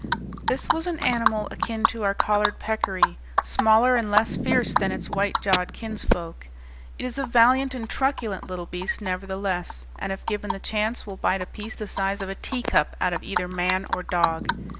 This was an animal akin to our collared peccary, smaller and less fierce than its white jawed kinsfolk. It is a valiant and truculent little beast, nevertheless, and if given the chance will bite a piece the size of a teacup out of either man or dog.